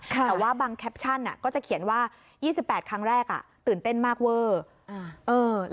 แต่ว่าบางแคปชั่นก็จะเขียนว่า๒๘ครั้งแรกตื่นเต้นมากเวอร์